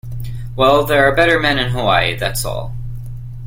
Well, there are better men in Hawaii, that's all.